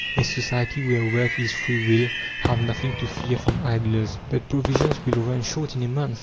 A society where work is free will have nothing to fear from idlers. "But provisions will run short in a month!"